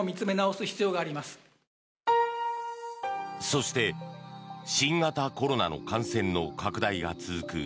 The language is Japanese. そして新型コロナの感染の拡大が続く